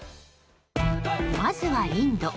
まずはインド。